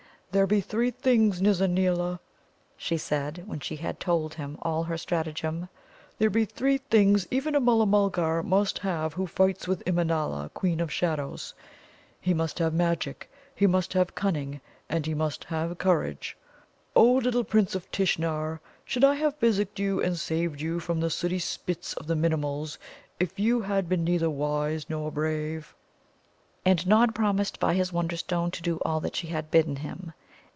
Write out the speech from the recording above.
"There be three things, Nizza neela," she said, when she had told him all her stratagem "there be three things even a Mulla mulgar must have who fights with Immanâla, Queen of Shadows: he must have Magic, he must have cunning, and he must have courage. Oh, little Prince of Tishnar, should I have physicked you and saved you from the sooty spits of the Minimuls if you had been neither wise nor brave?" And Nod promised by his Wonderstone to do all that she had bidden him.